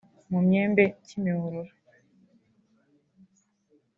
Mu myembe-Kimihurura